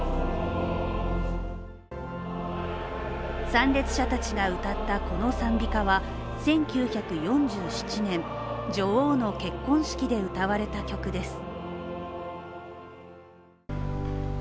参列者たちが歌ったこの賛美歌は１９４７年、女王の結婚式で歌われた曲です。